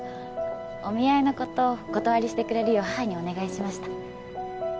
お見合いのことお断りしてくれるよう母にお願いしました。